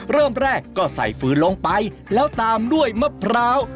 เริ่มแรกก็ใส่ฟืนลงไปแล้วตามด้วยมะพร้าว